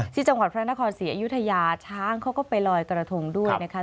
ที่จังหวัดพระนครศรีอยุธยาช้างเขาก็ไปลอยกระทงด้วยนะคะ